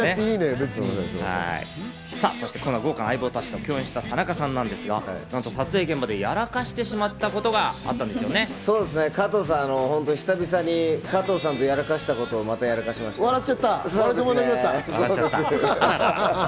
そしてこんな豪華な相棒たちと共演した田中さんなんですが、なんと撮影現場でやらかしてしまったことがあったんですよね？久々に加藤さんとやらかした笑っちゃった？